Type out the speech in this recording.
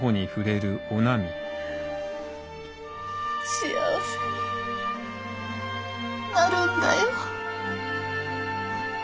幸せになるんだよ。